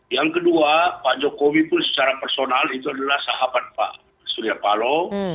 yang kedua pak jokowi pun secara personal itu adalah sahabat pak surya palo